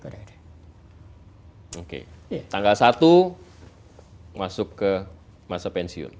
oke tanggal satu masuk ke masa pensiun